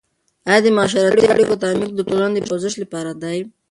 آیا د معاشرتي اړیکو تعمیق د ټولنو د پوزش لپاره دی؟